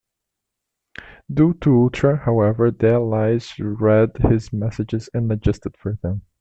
Due to Ultra, however, the Allies read his messages and adjusted for them.